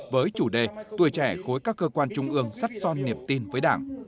với chủ đề tuổi trẻ khối các cơ quan trung ương sắt son niệm tin với đảng